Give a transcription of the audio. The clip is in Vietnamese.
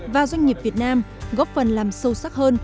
và doanh nghiệp việt nam góp phần làm sâu sắc hơn